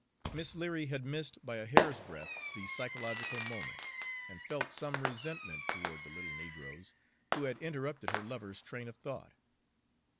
Miss Leary had missed by a hair's breadth the psychological moment, and felt some resentment toward the little negroes who had interrupted her lover's train of thought.